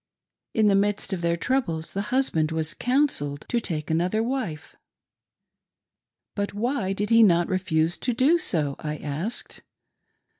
In the midst of their troubles the husband was " counselled " to take another wife. *' But why did he not refuse to do so .'" I asked.